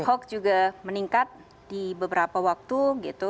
hoax juga meningkat di beberapa waktu gitu